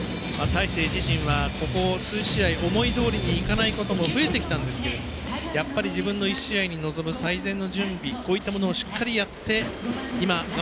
大勢自身は、ここ数試合思いどおりにいかないことも増えてきたんですけどやっぱり自分の１試合に臨む最善の準備。